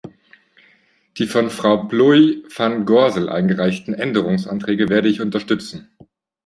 Die von Frau Plooij-Van Gorsel eingereichten Änderungsanträge werde ich unterstützen.